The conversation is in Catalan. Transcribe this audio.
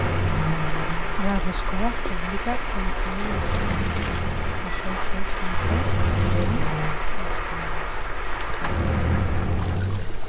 A les escoles públiques s'ensenya una segona llengua que sol ser francès, alemany o espanyol.